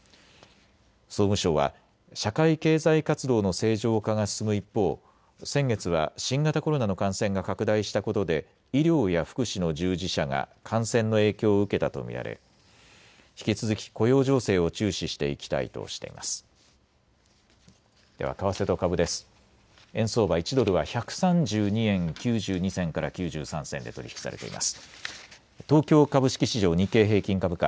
総務省は社会経済活動の正常化が進む一方、先月は新型コロナの感染が拡大したことで医療や福祉の従事者が感染の影響を受けたと見られ、引き続き雇用情勢を注視していきたいとしています。